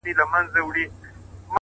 خپل وخت په موخه مصرف کړئ.!